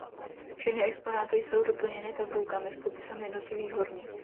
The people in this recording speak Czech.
Všechny exponáty jsou doplněny tabulkami s popisem jednotlivých hornin.